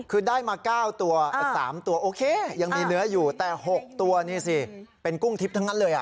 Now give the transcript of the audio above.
คือได้มา๙ตัว๓ตัวโอเคยังมีเนื้ออยู่แต่๖ตัวนี่สิเป็นกุ้งทิพย์ทั้งนั้นเลย